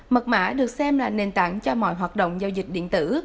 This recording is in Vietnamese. mật mã được xem là nền tảng cho mọi hoạt động giao dịch điện tử